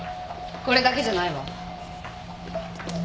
これだけじゃないわ。